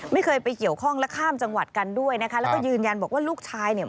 ไม่เคยไปเกี่ยวข้องและข้ามจังหวัดกันด้วยนะคะแล้วก็ยืนยันบอกว่าลูกชายเนี่ย